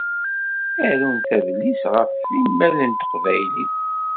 Arumt adlis ɣef imal n teqbaylit.